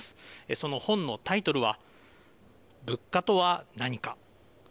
その本のタイトルは、物価とは何か。